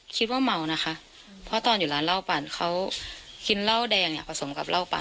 คิดว่าเมานะคะเพราะตอนอยู่ร้านเหล้าปั่นเขากินเหล้าแดงเนี่ยผสมกับเหล้าปั่น